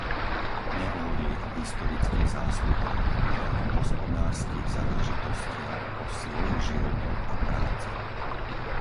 Nehovorili o historických zásluhách, ale o hospodárskych záležitostiach, o svojich životoch a práci.